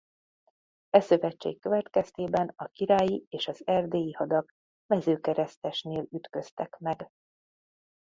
E szövetség következtében a királyi és az erdélyi hadak Mezőkeresztesnél ütköztek meg.